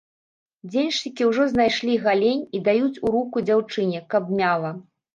Дзеншчыкі ўжо знайшлі галень і даюць у руку дзяўчыне, каб мяла.